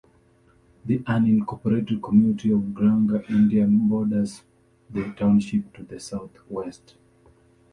The unincorporated community of Granger, Indiana, borders the township to the southwest.